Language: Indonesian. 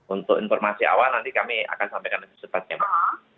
untuk informasi awal nanti kami akan sampaikan lebih cepat ya pak